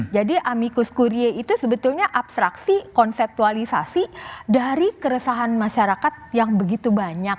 jadi amikus kurie itu sebetulnya abstraksi konseptualisasi dari keresahan masyarakat yang begitu banyak